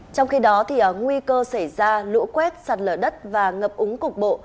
trong khi đó nguy cơ xảy ra lũ quét sạt lở đất và ngập úng cục bộ